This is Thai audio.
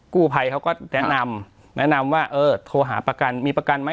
กู้ภัยเขาก็แนะนำแนะนำว่าเออโทรหาประกันมีประกันไหม